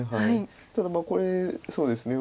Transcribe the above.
ただこれそうですね。